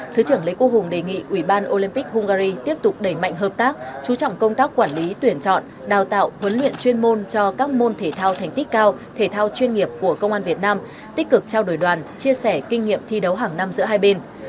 thứ trưởng lê quốc hùng đề nghị ủy ban olympic hungary tiếp tục đẩy mạnh hợp tác chú trọng công tác quản lý tuyển chọn đào tạo huấn luyện chuyên môn cho các môn thể thao thành tích cao thể thao chuyên nghiệp của công an việt nam tích cực trao đổi đoàn chia sẻ kinh nghiệm thi đấu hàng năm giữa hai bên